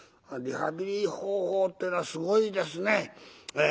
リハビリ方法っていうのはすごいですね。